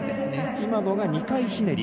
今のが２回ひねり。